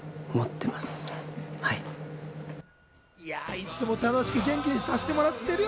いつも楽しく元気にさせてもらってるよ。